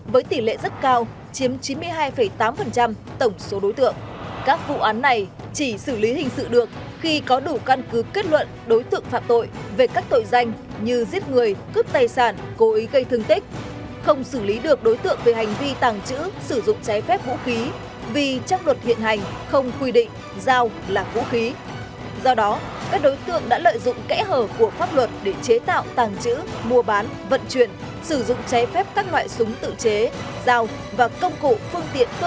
do đó các đối tượng đã lợi dụng kẽ hở của pháp luật để chế tạo tàng trữ mua bán vận chuyển sử dụng chế phép các loại súng tự chế dao và công cụ phương tiện phương tử vũ khí thu sơ